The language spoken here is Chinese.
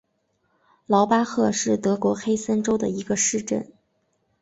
劳巴赫是德国黑森州的一个市镇。